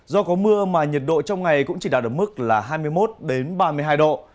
do có mưa mà nhiệt độ trong ngày cũng chỉ đạt được mức là hai mươi một ba mươi hai độ